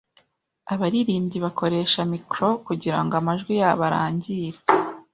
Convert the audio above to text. Abaririmbyi bakoresha mikoro kugirango amajwi yabo arangire.